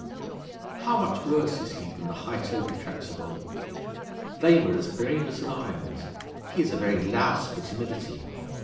How much worse is he than the High toby cracks of old! They were as brave as lions; he is a very louse for timidity.